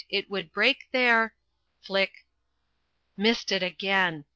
IT WOULD BREAK THEIR ..." Flick missed it again!